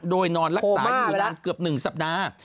โดยนอนรักษาอยู่นานเกือบ๑สัปดาห์